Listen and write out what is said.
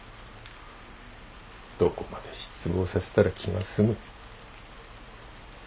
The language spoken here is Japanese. どこまで失望させたら気が済む？